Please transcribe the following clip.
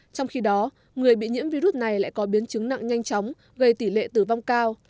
trong khi đó người bị nhiễm virus này lại có biến chứng nặng nhanh chóng gây tỷ lệ tử vong cao